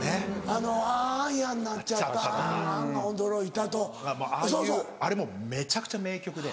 あゝやんなっちゃったあゝ驚いたああいうあれもめちゃくちゃ名曲で。